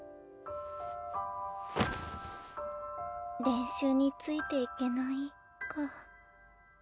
練習についていけないか。